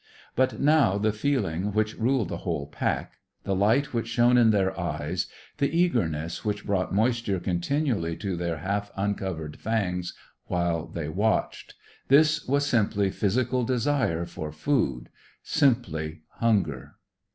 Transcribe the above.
But now the feeling which ruled the whole pack, the light which shone in their eyes, the eagerness which brought moisture continually to their half uncovered fangs while they watched this was simply physical desire for food, simply hunger.